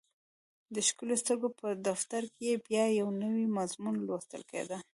د ښکلو سترګو په دفتر کې یې بیا یو نوی مضمون لوستل کېده